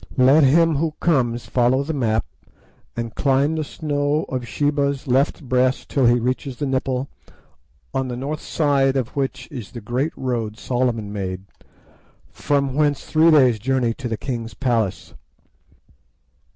Let him who comes follow the map, and climb the snow of Sheba's left breast till he reaches the nipple, on the north side of which is the great road Solomon made, from whence three days' journey to the King's Palace.